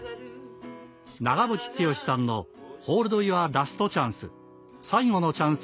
長渕剛さんのホールドユアラストチャンス。